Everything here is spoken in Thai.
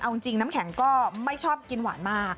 เอาจริงน้ำแข็งก็ไม่ชอบกินหวานมาก